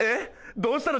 どうしたの？